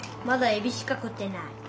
まだえびしか食ってない。